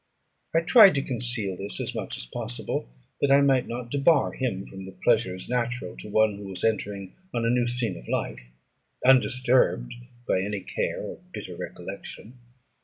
I tried to conceal this as much as possible, that I might not debar him from the pleasures natural to one, who was entering on a new scene of life, undisturbed by any care or bitter recollection.